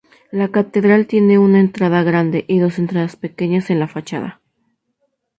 La catedral tiene una entrada grande y dos entradas pequeñas en la fachada.